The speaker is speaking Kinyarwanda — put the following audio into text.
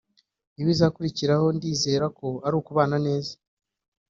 ibizakurikiraho ndibwira ko ari ukubana neza